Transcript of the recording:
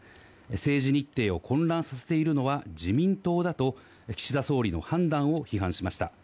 政治日程を混乱させているのは自民党だと、岸田総理の判断を批判しました。